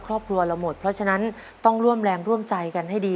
ครอบครัวเราหมดเพราะฉะนั้นต้องร่วมแรงร่วมใจกันให้ดี